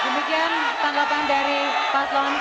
demikian tanggapan dari paslon